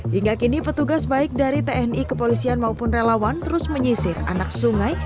hingga kini petugas baik dari tni kepolisian maupun relawan terus menyisir anak sungai